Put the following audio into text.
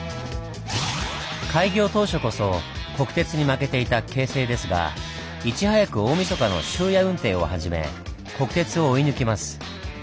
開業当初こそ国鉄に負けていた京成ですがいち早く大みそかの終夜運転を始め国鉄を追い抜きます。